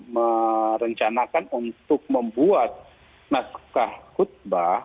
merencanakan untuk membuat naskah khutbah